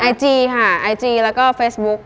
ไอจีค่ะไอจีแล้วก็เฟซบุ๊ก